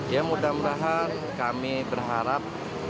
ya mudah mudahan kami berharap